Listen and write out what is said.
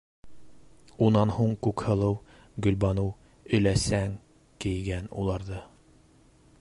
Унан һуң Күкһылыу-Гөлбаныу өләсәң кейгән уларҙы.